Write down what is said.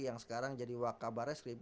yang sekarang jadi wakabarreskrim